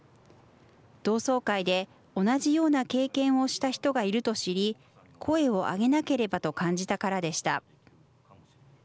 同窓会で同じような経験をした人がいると知り、声を上げなければと感じたからでした。